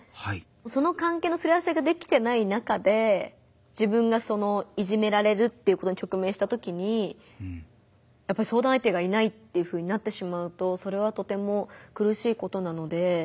その関係のすり合わせができてない中で自分がいじめられるっていうことに直面したときに相談相手がいないっていうふうになってしまうとそれはとても苦しいことなので。